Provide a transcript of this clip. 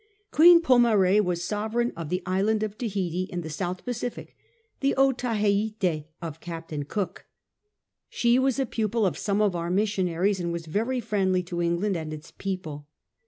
Queen Pomare was sovereign of the island of Tahiti, in the South Pacific, the Otaheite of Captain Cook. She was a pupil of some of our missionaries, and was very friendly to England and its people.